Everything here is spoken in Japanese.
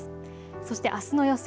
そしてあすの予想